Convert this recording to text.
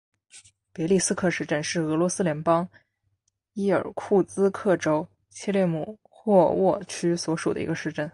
别利斯克市镇是俄罗斯联邦伊尔库茨克州切列姆霍沃区所属的一个市镇。